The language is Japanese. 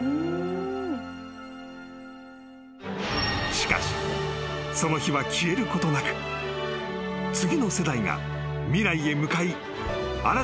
［しかしその火は消えることなく次の世代が未来へ向かい新たな試みに挑んでいる］